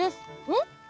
ん？